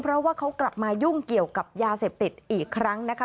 เพราะว่าเขากลับมายุ่งเกี่ยวกับยาเสพติดอีกครั้งนะคะ